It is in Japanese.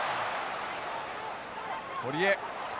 堀江。